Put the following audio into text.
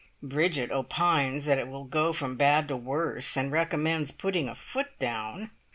Bridget opines that it will go from bad to worse, and recommends putting a foot down.